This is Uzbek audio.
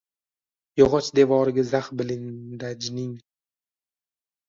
Yog’och devoriga zax blindajning